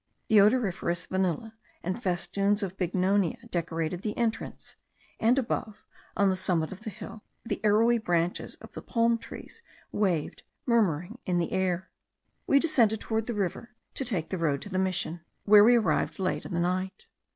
The odoriferous vanilla and festoons of bignonia decorated the entrance; and above, on the summit of the hill, the arrowy branches of the palm trees waved murmuring in the air. We descended towards the river, to take the road to the mission, where we arrived late in the night.